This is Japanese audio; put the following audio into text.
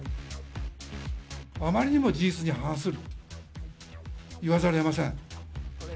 あまりにも事実に反する、言わざるをえません。